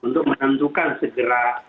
untuk menentukan segera